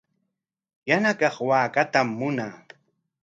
Yana kaq waakatam munaa.